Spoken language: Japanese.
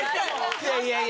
いやいやいや！